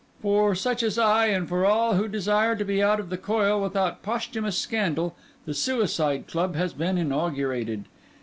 For such as I, and for all who desire to be out of the coil without posthumous scandal, the Suicide Club has been inaugurated.